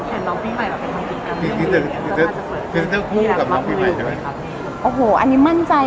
แล้วน้องพี่ใหม่เหมือนกันไหมน้องพี่ใหม่จะเป็นผู้กับน้องพี่ใหม่ใช่ไหม